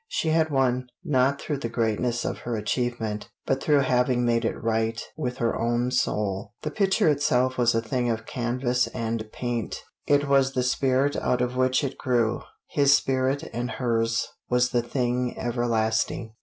She had won, not through the greatness of her achievement, but through having made it right with her own soul. The picture itself was a thing of canvas and paint; it was the spirit out of which it grew his spirit and hers was the thing everlasting.